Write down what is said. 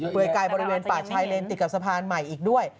ไกลบริเวณป่าชายเลนติดกับสะพานใหม่อีกด้วย